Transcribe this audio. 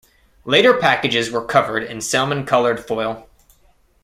Later packages were covered in salmon colored foil.